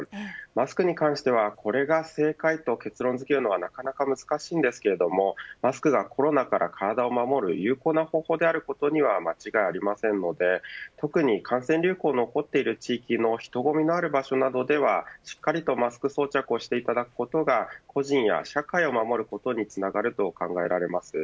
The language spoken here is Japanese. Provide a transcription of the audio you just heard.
マスクに関してはこれが正解という結論づけるのはなかなか難しいですがマスクが、コロナから体を守る有効な方法であることは間違いないので特に感染流行が残っている地域の人混みのある地域ではしっかりマスクを装着していただくことが個人や社会を守ることにつながると思います。